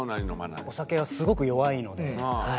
お酒はすごく弱いのではい。